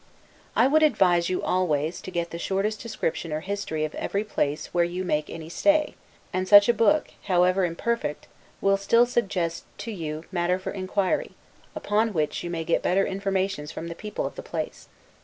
I would advise you always to get the shortest description or history of every place where you make any stay; and such a book, however imperfect, will still suggest to you matter for inquiry; upon which you may get better informations from the people of the place.